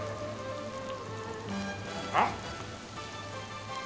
あっ！